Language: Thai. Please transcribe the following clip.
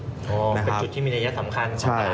อ๋อเป็นจุดที่มีระยะสำคัญของตลาดหุ้นนะครับ